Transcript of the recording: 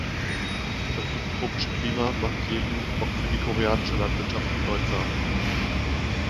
Das subtropische Klima macht Jeju auch für die koreanische Landwirtschaft bedeutsam.